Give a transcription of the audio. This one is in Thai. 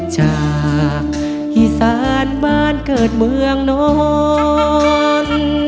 จากอีสานบ้านเกิดเมืองนอน